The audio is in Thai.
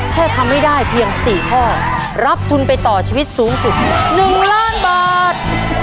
แค่ทำให้ได้เพียง๔ข้อรับทุนไปต่อชีวิตสูงสุด๑ล้านบาท